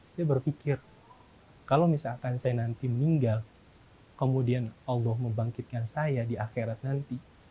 saya berpikir kalau misalkan saya nanti meninggal kemudian allah membangkitkan saya di akhirat nanti